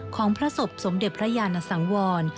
ของพระศพสมเด็จพระยานสังวร